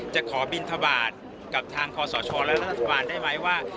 จะขอบินทบาทกับทางคอสชและรัฐบาลได้ไหมว่า